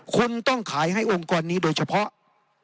คุณต้องขายให้องค์กรนี้โดยเฉพาะ